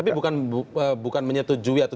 tapi bukan menyetujui atau